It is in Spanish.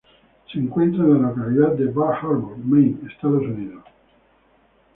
Se encuentra en la localidad de Bar Harbor, Maine, Estados Unidos.